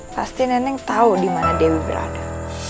pasti neneng tau dimana dewi berada